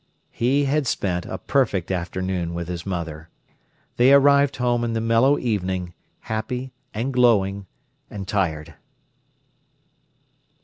He had spent a perfect afternoon with his mother. They arrived home in the mellow evening, happy, and glowing, and tired.